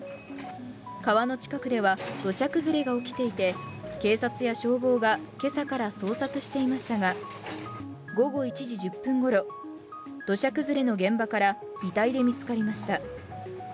川の近くでは土砂崩れが起きていて警察や消防が今朝から捜索していましたが午後１時１０分ごろ、土砂崩れの現場から遺体で見つかりました。